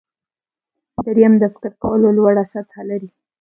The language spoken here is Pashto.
دریم د فکر کولو لوړه سطحه لري.